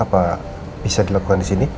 apa bisa dilakukan di sini